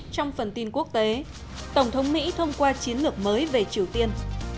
trong phần tin quốc tế tổng thống mỹ thông qua chiến lược mới về triều tiên